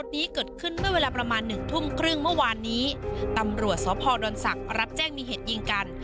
เมื่อครึ่งเมื่อวานนี้ตำรวจสดศักดิ์รับแจ้งมีเหตุยิงกัน